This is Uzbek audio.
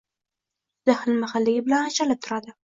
Juda xilma-xilligi bilan ajralib turadi.